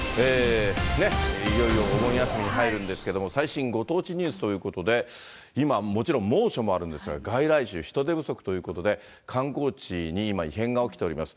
ね、いよいよお盆休みに入るんですけれども、最新ご当地ニュースということで、今、もちろん猛暑もあるんですが、外来種、人手不足ということで、観光地に今、異変が起きています。